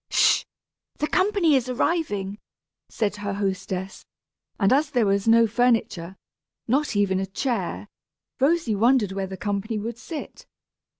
"Sh h! the company is arriving!" said her hostess; and as there was no furniture, not even a chair, Rosy wondered where the company would sit.